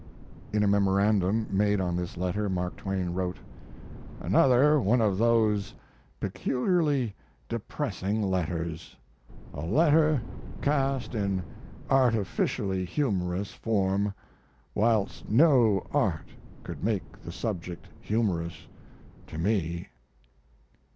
In a memorandum made on this letter Mark Twain wrote: Another one of those peculiarly depressing letters a letter cast in artificially humorous form, whilst no art could make the subject humorous to me.